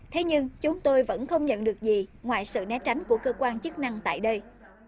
thế nhưng chúng tôi vẫn không nhận được gì ngoài sự né tránh của cơ quan chức năng tại đây